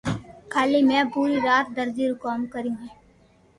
ڪالي مي پري رات درزو رو ڪوم ڪريو